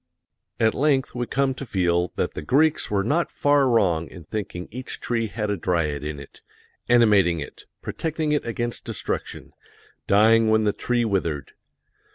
At length we come to feel that the Greeks were not far wrong in thinking each tree had a dryad in it, animating it, protecting it against destruction, dying when the tree withered.